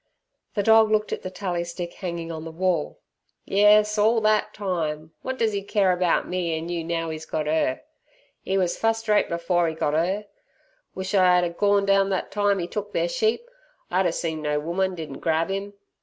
The dog looked at the tally stick hanging on the wall. "Yes, orl thet time! What does 'e care about me an' you, now 'e's got 'er! 'E was fust rate afore 'e got 'er. Wish I 'ad er gorn down thet time 'e took their sheep. I'd er seen no woman didn't grab 'im.